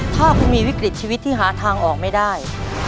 ถ้าคุณมีวิกฤตชีวิตที่หาทางออกไม่ได้